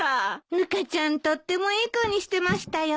ぬかちゃんとってもいい子にしてましたよ。